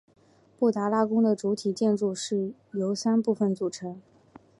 布达拉宫的主体建筑由三部分组成。